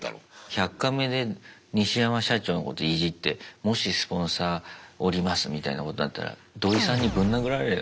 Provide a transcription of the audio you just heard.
「１００カメ」でニシヤマ社長のこといじってもしスポンサー降りますみたいなことになったらドイさんにぶん殴られるよ